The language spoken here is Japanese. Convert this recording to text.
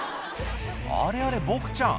あれあれボクちゃん